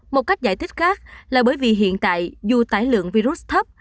một cách giải thích khác là bởi vì hiện tại dù tải lượng virus thấp